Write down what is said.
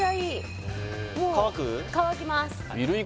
乾きます